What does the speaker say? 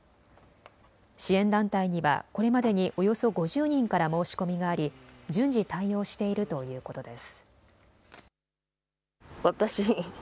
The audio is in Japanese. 支援団体にはこれまでにおよそ５０人から申し込みがあり順次対応しているということです。